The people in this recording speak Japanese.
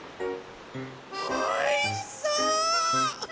おいしそう！